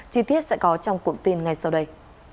chi tiết sẽ có trong cụm tin ngay sau đây